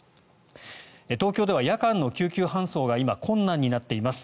東京では夜間の救急搬送が今、困難になっています。